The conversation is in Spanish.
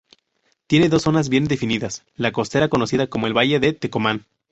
Tiene dos zonas bien definidas: la costera conocida como el Valle de Tecomán.